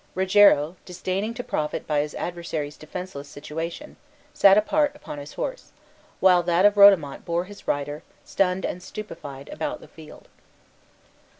Rogero, disdaining to profit by his adversary's defenceless situation, sat apart upon his horse, while that of Rodomont bore his rider, stunned and stupefied, about the field.